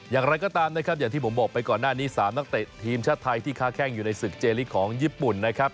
อย่างไรก็ตามนะครับอย่างที่ผมบอกไปก่อนหน้านี้๓นักเตะทีมชาติไทยที่ค้าแข้งอยู่ในศึกเจลิกของญี่ปุ่นนะครับ